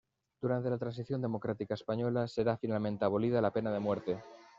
Durante la transición democrática española, será finalmente abolida la pena de muerte.